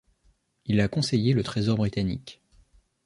Il a conseillé le Trésor britannique.